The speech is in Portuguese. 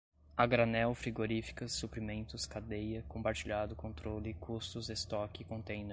a granel frigoríficas suprimentos cadeia compartilhado controle custos estoque contêiner